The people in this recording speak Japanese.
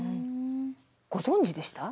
ご存じでした？